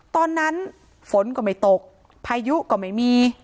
ตอนนั้นฝนก็ไม่ตกพายุก็ไม่มี